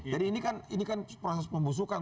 ini kan proses pembusukan